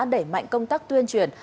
đẩy mạnh công tác tuyên truyền